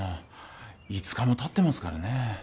５日もたってますからね